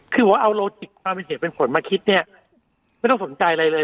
คือว่าเอาโลจิกความเป็นเหตุเป็นผลมาคิดเนี่ยไม่ต้องสนใจอะไรเลย